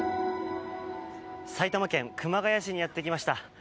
埼玉県熊谷市にやってきました。